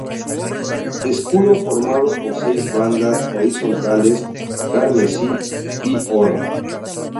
Escudo formado por seis bandas horizontales carmesí y oro.